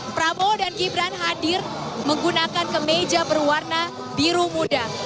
prabowo dan gibran hadir menggunakan kemeja berwarna biru muda